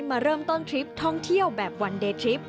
มาเริ่มต้นทริปท่องเที่ยวแบบวันเดย์ทริป